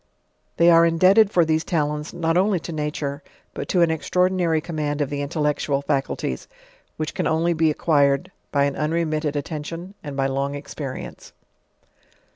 They are indebted fur these talents not only to nature, but to an extraordinary command of the intellectual faculties, which can only be acquiied by an unremitted attention, and by long experience.